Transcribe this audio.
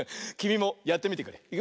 きみもやってみてくれ。